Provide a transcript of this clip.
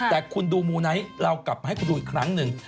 แต่คุณดูมูไนท์เรากลับมาให้คุณดูอีกครั้งหนึ่ง